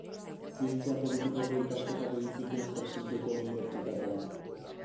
Zientzia politikoko ikasketak egin zituen Helsinkiko Unibertsitatean.